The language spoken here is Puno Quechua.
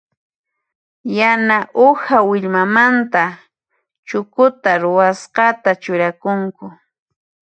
Yana uha willmamanta chukuta ruwasqata churakunku.